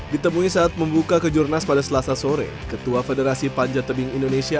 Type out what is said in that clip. ditemui saat membuka kejurnas pada selasa sore ketua federasi panjat tebing indonesia